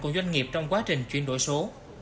của doanh nghiệp trong quá trình chuyển đổi số